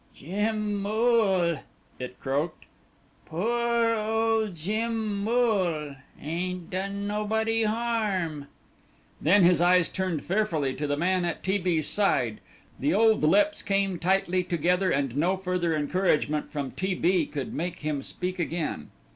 "Jim Moole," it croaked, "poor old Jim Moole; ain't done nobody harm." Then his eyes turned fearfully to the man at T. B.'s side; the old lips came tightly together and no further encouragement from T. B. could make him speak again.